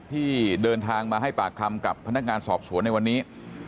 ที่เดินทางมาให้ปากคำกับพนักงานสอบสวนในวันนี้